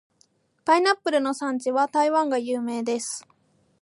パイナップルの産地は台湾が有名です。